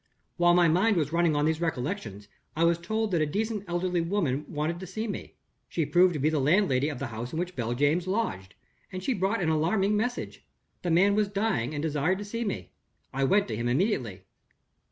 "While my mind was running on these recollections, I was told that a decent elderly woman wanted to see me. She proved to be the landlady of the house in which Beljames lodged; and she brought an alarming message. The man was dying, and desired to see me. I went to him immediately.